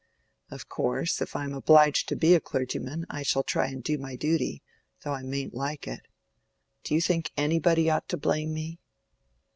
"Of course, if I am obliged to be a clergyman, I shall try and do my duty, though I mayn't like it. Do you think any body ought to blame me?"